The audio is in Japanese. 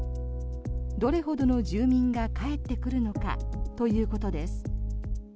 どれほどの住民が帰ってくるのかということです。